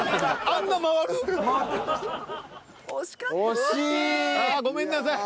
ああごめんなさい。